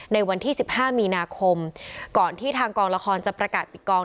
ในวันที่๑๕มีนาคมก่อนที่ทางกองละครจะประกาศปิดกอง